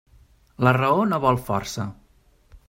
La raó no vol força.